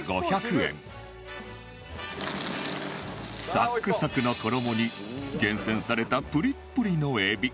サックサクの衣に厳選されたプリップリのエビ